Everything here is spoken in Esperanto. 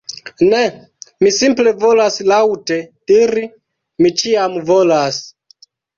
Ne, mi simple volas laŭte diri "Mi ĉiam volas!"